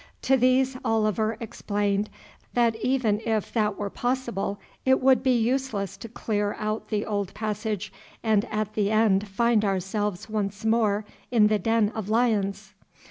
To these Oliver explained that even if that were possible it would be useless to clear out the old passage and at the end find ourselves once more in the den of lions.